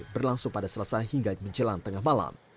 berlangsung pada selasa hingga menjelang tengah malam